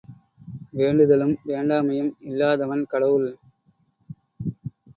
வேண்டுதலும் வேண்டாமையும் இல்லாதவன் கடவுள்!